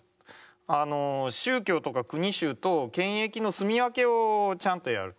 あの宗教とか国衆と権益の住み分けをちゃんとやると。